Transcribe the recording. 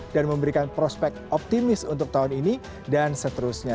dan memberikan prospek optimis untuk tahun ini dan seterusnya